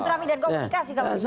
teramikan komunikasi kalau bisa